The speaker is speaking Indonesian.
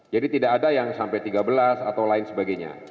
jadi tidak ada yang sampai tiga belas atau lain sebagainya